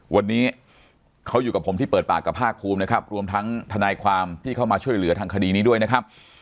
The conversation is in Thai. วันนี้เขาอยู่กับผมที่เปิดปากกับภาคภูมินะครับรวมทั้งทนายความที่เข้ามาช่วยเหลือทางคดีนี้ด้วยนะครับ